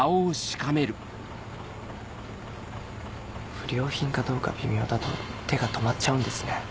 不良品かどうか微妙だと手が止まっちゃうんですね。